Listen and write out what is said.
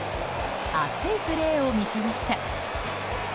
熱いプレーを見せました。